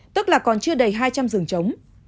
tức là còn chưa đầy hai trăm linh rừng chống